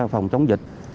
phòng chống dịch